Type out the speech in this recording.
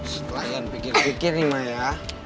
setelah yang pikir pikir nih maya